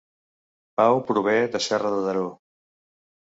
Pau prové de Serra de Daró